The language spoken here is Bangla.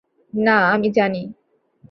না, আমি জানি।